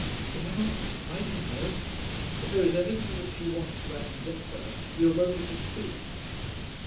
"Why not? I didn't know. If there is anything that she wants that I can get for her, you have only to speak."